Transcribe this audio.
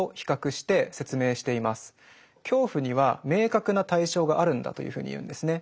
「恐怖」には明確な対象があるんだというふうに言うんですね。